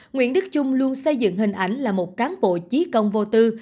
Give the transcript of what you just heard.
nguyễn đức trung luôn xây dựng hình ảnh là một cán bộ trí công vô tư